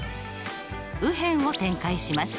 右辺を展開します。